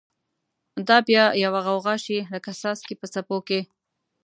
دا به بیا یوه غوغا شی، لکه څاڅکی په څپو کی